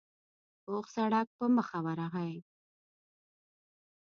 پوخ سړک په مخه ورغی.